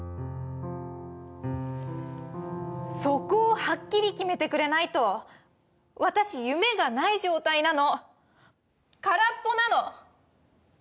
そこをはっきり決めてくれないと私、夢がない状態なの！